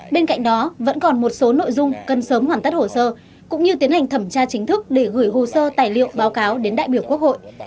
bên cạnh đó vẫn còn một số nội dung cần sớm hoàn tất hồ sơ cũng như tiến hành thẩm tra chính thức để gửi hồ sơ tài liệu báo cáo đến đại biểu quốc hội